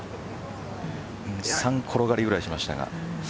２、３転がりぐらいしましたが。